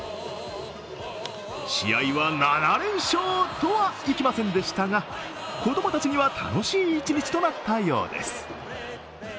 試合は７連勝とはいきませんでしたが、子供たちには楽しい一日となったようです。